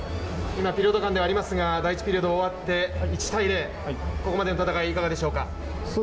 今ピリオド間でありますが、第１ピリオド終わって１−０、ここまでの戦い、いかがでしょうか。